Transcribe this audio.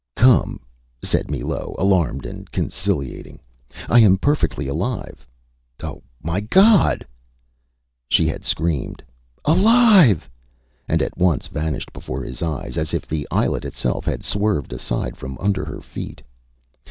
Â ÂCome,Â said Millot, alarmed and conciliating. ÂI am perfectly alive! ... Oh, my God!Â She had screamed, ÂAlive!Â and at once vanished before his eyes, as if the islet itself had swerved aside from under her feet.